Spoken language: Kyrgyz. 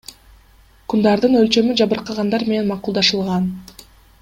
Кундардын өлчөмү жабыркагандар менен макулдашылган.